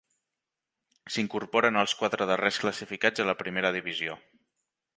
S'incorporen els quatre darrers classificats a la Primera Divisió.